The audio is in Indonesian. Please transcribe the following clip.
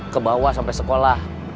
kebawah sampe sekolah